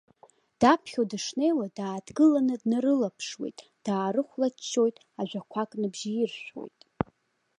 Даԥхьо дышнеиуа, дааҭгыланы днарылаԥшуеит, даарыхәлаччоит, ажәақәак ныбжьаиршәуеит.